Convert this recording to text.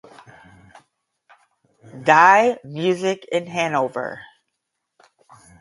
Die Musik in Hannover.